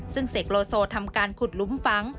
ซึ่งเสกโลโซทำการขุดหลุมฝัง